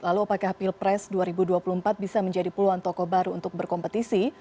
lalu apakah pilpres dua ribu dua puluh empat bisa menjadi puluhan tokoh baru untuk berkompetisi